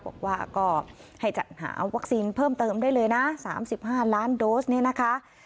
บอกว่าก็ให้จัดหาวัคซีนเพิ่มเติมได้เลยนะ๓๕ล้านโดสเนี่ยนะคะ